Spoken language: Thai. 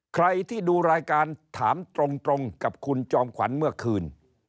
ใครที่ดูรายการถามตรงกับคุณจอมขวัญเมื่อคืน